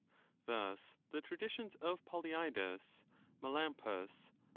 Thus the traditions of Polyidus,* Melampus,*?